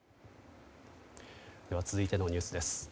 続いてのニュースです。